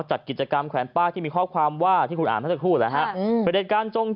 จัดกิจกรรมแขวนป้าที่มีข้อความว่าที่คุณอ่านพระเจ้าก็พูดแล้วฮะ